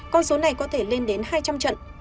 con số này có thể lên đến hai trăm linh trận